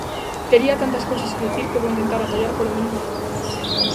Tería tantas cousas que dicir que vou intentar atallar polo menos nalgunha.